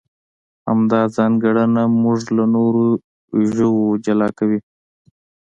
همدا ځانګړنه موږ له نورو ژوو جلا کوي.